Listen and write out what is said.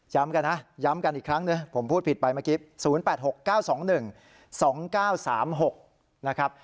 กันนะย้ำกันอีกครั้งหนึ่งผมพูดผิดไปเมื่อกี้๐๘๖๙๒๑๒๙๓๖นะครับ